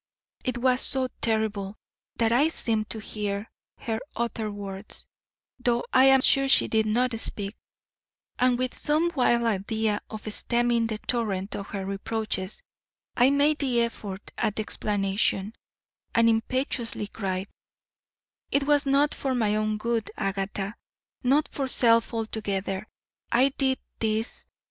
It was so terrible that I seemed to hear her utter words, though I am sure she did not speak; and with some wild idea of stemming the torrent of her reproaches, I made an effort at explanation, and impetuously cried: "It was not for my own good, Agatha, not for self altogether, I did this.